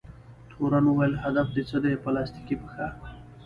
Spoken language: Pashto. تورن وویل: هدف دې څه دی؟ پلاستیکي پښه؟